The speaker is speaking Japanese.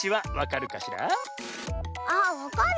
あっわかる。